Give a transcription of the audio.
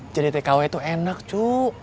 jadi tkw tuh enak cu